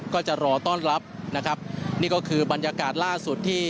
ก็จะรอต้อนรับนะครับนี่ก็คือบรรยากาศล่าสุดที่